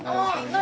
何？